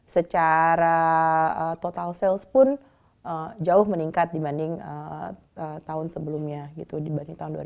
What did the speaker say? secara total sales pun jauh meningkat dibanding tahun sebelumnya gitu dibanding tahun dua ribu dua